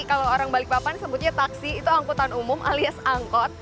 kalau orang balikpapan sebutnya taksi itu angkutan umum alias angkot